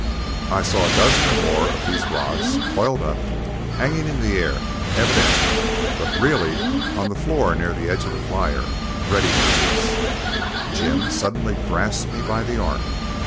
I saw a dozen more of these rods coiled up, hanging in the air, evidently, but really on the floor near the edge of the flyer, ready for use. Jim suddenly grasped me by the arm.